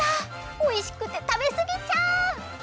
おいしくてたべすぎちゃう！